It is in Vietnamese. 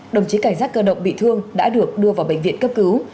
đồng chí cảnh sát cơ động bị thương đã được đưa vào bệnh viện cấp cứu